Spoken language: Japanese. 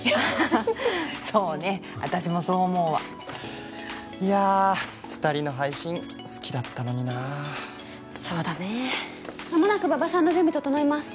そうね私もそう思うわいや２人の配信好きだったのになそうだね間もなく馬場さんの準備整います